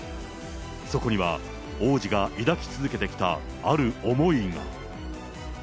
そこには王子が抱き続けてきたある思いが。